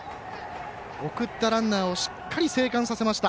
送ったランナーをしっかり生還させました。